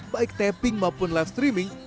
baik taping maupun live streaming